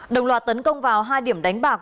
đồng loạt tấn công vào hai điểm đánh bạc